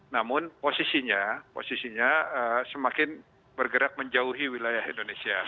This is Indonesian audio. namun posisinya posisinya semakin bergerak menjauhi wilayah indonesia